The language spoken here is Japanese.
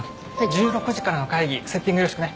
１６時からの会議セッティングよろしくね。